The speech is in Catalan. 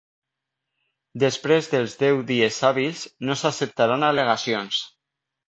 Després dels deu dies hàbils, no s'acceptaran al·legacions.